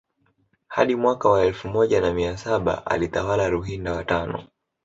Hadi mwaka wa elfu moja na mia saba alitawala Ruhinda wa tano